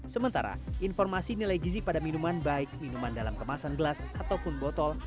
sementara informasi nilai gizi pada minuman baik minuman dalam kemasan gelas ataupun botol